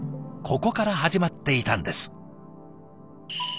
ここから始まっていたんです。